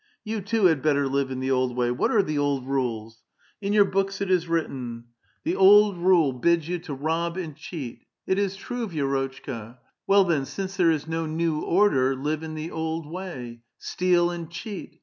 Y^ou too had better live in the old wav. What are the old rules ? In your books it is written ; the old rule 22 A VITAL QUESTION. I bids von to rob and cheat. It is true, Vi6ix)tchka. Well, , then, since there is no new order, live in the old way; steal and cheat.